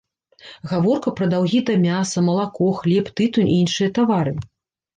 Гаворка пра даўгі да мяса, малако, хлеб, тытунь і іншыя тавары.